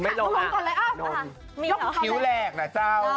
พอสากกล้าม